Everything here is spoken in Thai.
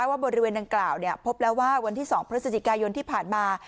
ว่าบริเวณดังกล่าวพบแล้วว่าวันที่๒พฤศจิกายนที่ผ่านมา